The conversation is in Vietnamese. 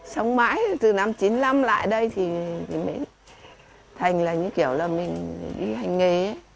xong mãi từ năm chín mươi năm lại đây thì mới thành kiểu là mình đi hành nghề